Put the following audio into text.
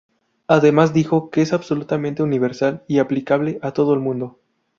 Además dijo que es absolutamente universal y aplicable a todo el mundo.